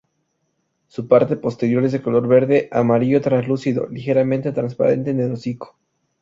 Su parte posterior es de color verde amarillo translúcido, ligeramente transparente en el hocico.